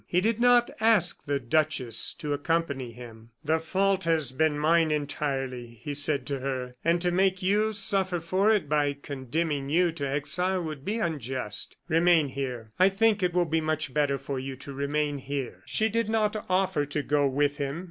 He did not ask the duchess to accompany him. "The fault has been mine entirely," he said to her, "and to make you suffer for it by condemning you to exile would be unjust. Remain here; I think it will be much better for you to remain here." She did not offer to go with him.